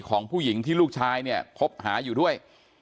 ของผู้หญิงที่ลูกชายเนี่ยคบหาอยู่ด้วย